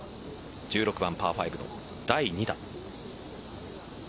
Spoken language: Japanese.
１６番パー５、第２打。